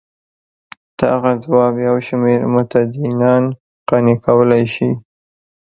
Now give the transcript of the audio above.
دغه ځواب یو شمېر متدینان قانع کولای شي.